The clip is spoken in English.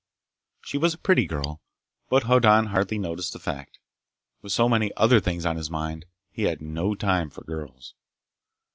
She was a pretty girl, but Hoddan hardly noticed the fact. With so many other things on his mind, he had no time for girls.